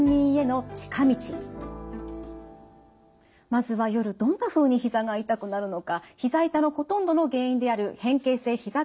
まずは夜どんなふうにひざが痛くなるのかひざ痛のほとんどの原因である変形性ひざ